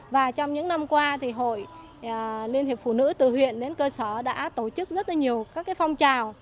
và trong những năm qua thì hội liên hiệp phụ nữ từ huyện đến cơ sở đã tổ chức rất là nhiều các phong trào